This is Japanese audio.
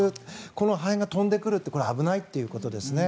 この破片が飛んできて危ないということですね。